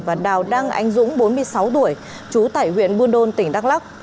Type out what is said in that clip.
và đào đăng anh dũng bốn mươi sáu tuổi trú tại huyện buôn đôn tỉnh đắk lắc